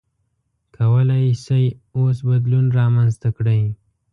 کولای شئ اوس بدلون رامنځته کړئ.